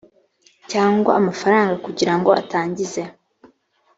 cyangwa amafaranga kugira ngo atangize